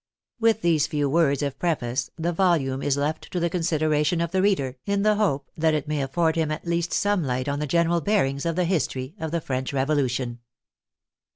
With these few words of preface the volume is left to the considera tion of the reader, in the hope that it may afford him at least some light on the general bearings of the history of the French Revolution.